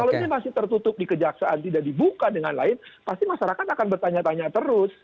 kalau ini masih tertutup di kejaksaan tidak dibuka dengan lain pasti masyarakat akan bertanya tanya terus